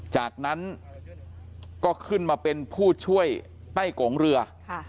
จากนั้นก็ขึ้นมาเป็นผู้ช่วยใต้โกงเรือ